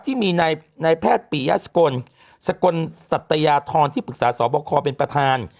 ที่มีนายแพทย์ปิยาสกลสกลสัตยาธรที่ปรึกษาสอบคอเป็นประธาน